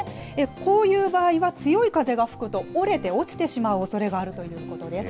こういう場合は、強い風が吹くと折れて落ちてしまうおそれがあるということです。